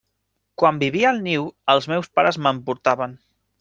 Quan vivia al niu, els meus pares me'n portaven.